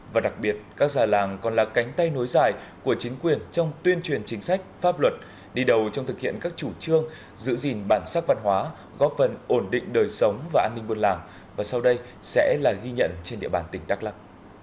và đặc biệt các già làng còn là cánh tay nối dài của chính quyền trong tuyên truyền chính sách pháp luật đi đầu trong thực hiện các chủ trương giữ gìn bản sắc văn hóa góp phần ổn định đời sống và an ninh buôn làng và sau đây sẽ là ghi nhận trên địa bàn tỉnh đắk lắc